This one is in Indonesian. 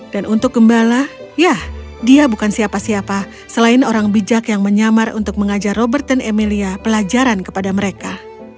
dan untuk gembala ya dia bukan siapa siapa selain orang bijak yang menyamar untuk mengajar robert dan emilia pelajaran kepada mereka